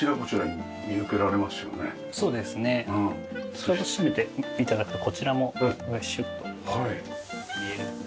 それを閉めて頂くとこちらもシュッと見えるんですけど。